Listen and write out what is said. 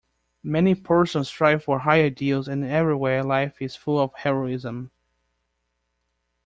Many persons strive for high ideals, and everywhere life is full of heroism.